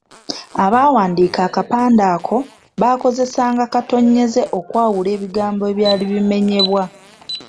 Abaawandiika akapande ako baakozesanga katonnyeze okwawula ebigambo ebyali bimenyebwa.